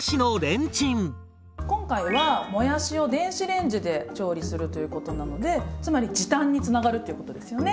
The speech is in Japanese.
今回はもやしを電子レンジで調理するということなのでつまり時短につながるっていうことですよね？